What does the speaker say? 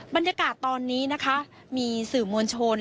บรรยากาศตอนนี้นะคะมีสื่อมวลชน